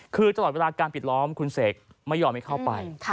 คือตลอดเวลาการปิดล้อมคุณเสกไม่ยอมให้เข้าไป